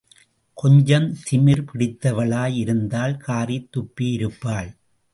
கொஞ்சம் திமிர் பிடித்தவளாய் இருந்தால், காறித் துப்பியிருப்பாள்.